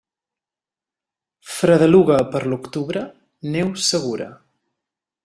Fredeluga per l'octubre, neu segura.